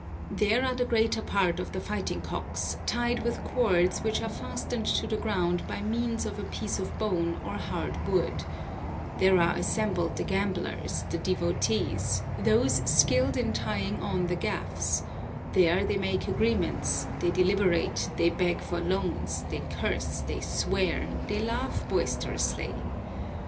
There are the greater part of the fighting cocks tied with cords which are fastened to the ground by means of a piece of bone or hard wood; there are assembled the gamblers, the devotees, those skilled in tying on the gaffs, there they make agreements, they deliberate, they beg for loans, they curse, they swear, they laugh boisterously.